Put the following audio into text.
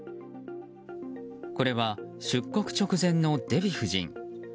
これは出国直前のデヴィ夫人。